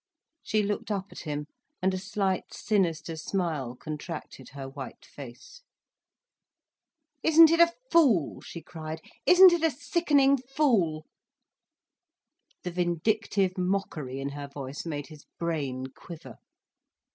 She looked up at him, and a slight sinister smile contracted her white face. "Isn't it a fool!" she cried. "Isn't it a sickening fool?" The vindictive mockery in her voice made his brain quiver.